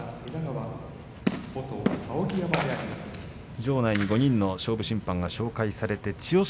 場内に５人の審判が紹介されて千代翔